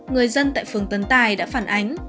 người dân tại phường tấn tài đã phản ánh